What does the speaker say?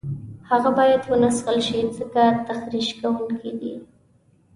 هغه باید ونه څکل شي ځکه تخریش کوونکي دي.